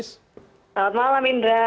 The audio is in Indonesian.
selamat malam indra